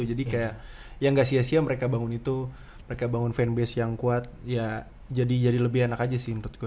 jadi kayak ya ga sia sia mereka bangun itu mereka bangun fanbase yang kuat ya jadi lebih enak aja sih menurut gua